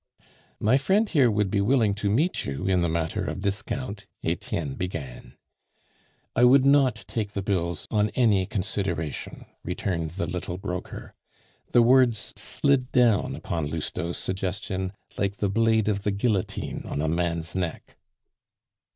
"My friend here would be willing to meet you in the matter of discount " Etienne began. "I would not take the bills on any consideration," returned the little broker. The words slid down upon Lousteau's suggestion like the blade of the guillotine on a man's neck.